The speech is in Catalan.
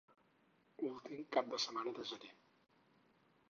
Últim cap de setmana de gener.